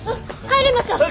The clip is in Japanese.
帰りましょう。